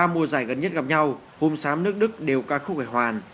ba mùa giải gần nhất gặp nhau hùng sám nước đức đều ca khúc gãy hoàn